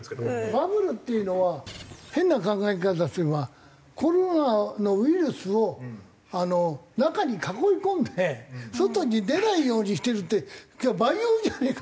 バブルっていうのは変な考え方すればコロナのウイルスを中に囲い込んで外に出ないようにしてるってそれ培養じゃねえか。